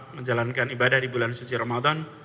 menjalankan ibadah di bulan suci ramadan